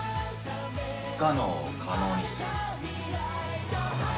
不可能を可能にする。